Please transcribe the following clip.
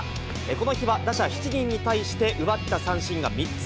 この日は打者７人に対して、奪った三振が３つ。